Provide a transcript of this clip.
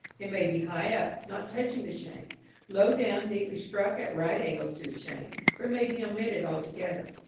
It may be high up, not touching the shank; low down, neatly struck at right angles to the shank, or it may be omitted altogether.